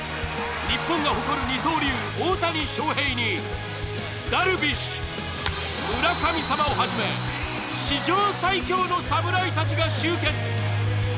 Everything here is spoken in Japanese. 日本が誇る二刀流、大谷翔平にダルビッシュ、村神様をはじめ、史上最強の侍たちが集結。